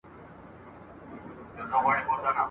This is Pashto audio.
اوس د شمعي په لمبه کي ټګي سوځي ..